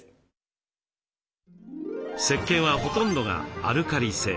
せっけんはほとんどがアルカリ性。